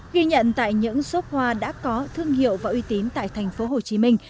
ghi nhận tại những xốp hoa đã có thương hiệu và uy tín tại thành phố hồ chí minh